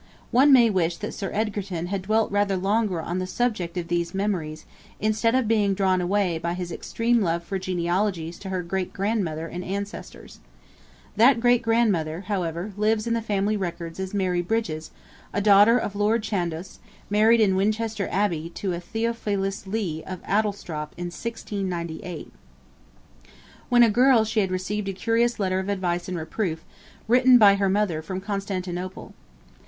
One may wish that Sir Egerton had dwelt rather longer on the subject of these memoirs, instead of being drawn away by his extreme love for genealogies to her great grandmother and ancestors. That great grandmother however lives in the family records as Mary Brydges, a daughter of Lord Chandos, married in Westminster Abbey to Theophilus Leigh of Addlestrop in 1698. When a girl she had received a curious letter of advice and reproof, written by her mother from Constantinople.